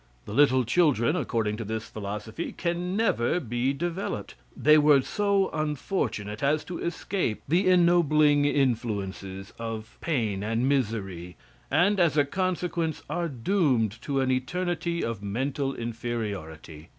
The little children, according to this philosophy, can never be developed. They were so unfortunate as to escape the ennobling influences of pain and misery, and as a consequence, are doomed to an eternity of mental inferiority.